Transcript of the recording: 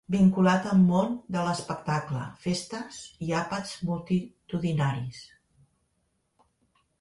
Vinculat al món de l'espectacle, festes i àpats multitudinaris.